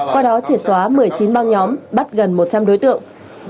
qua đó chỉ xóa một mươi chín ban nhóm bắt gần một trăm linh đối tượng